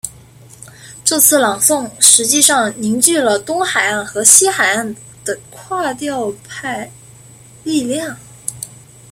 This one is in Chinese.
这次朗诵实际上凝聚了东海岸和西海岸的垮掉派力量。